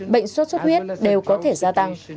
bệnh sốt xuất huyết đều có thể gia tăng